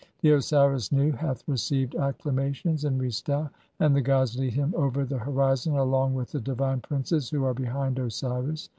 "The Osiris Nu hath received acclamations in Re stau, and (4) "the gods lead [him] over the horizon along with the divine "princes who are behind Osiris.